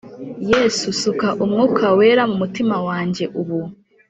Yesu suka umwuka wera mu mutima wanjye ubu